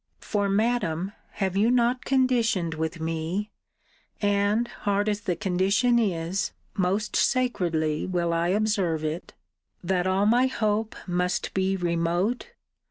For, Madam, have you not conditioned with me (and, hard as the condition is, most sacredly will I observe it) that all my hope must be remote?